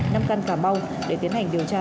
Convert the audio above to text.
nam căn cà mau để tiến hành điều tra